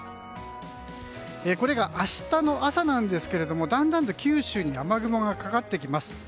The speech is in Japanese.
これが明日の朝なんですがだんだんと九州に雨雲がかかってきます。